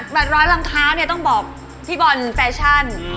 ร้อยรองเท้าเนี่ยต้องบอกพี่บอลแฟชั่น